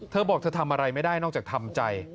เธอบอกเธอทำอะไรไม่ได้นอกจากทำใจ